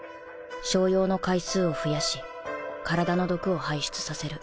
小用の回数を増やし体の毒を排出させる